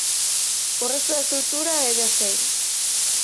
O resto da estrutura é de aceiro.